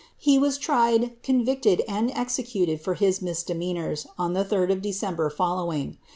He was tried, HiTicted^ and executed for his misdemeanors, on the 3d of the Decem ir following.